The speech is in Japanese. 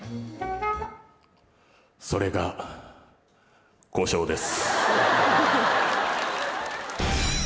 「それが故障です」。